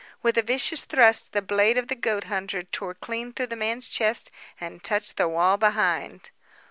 With a vicious thrust, the blade of the goat hunter tore clean through the man's chest and touched the wall behind.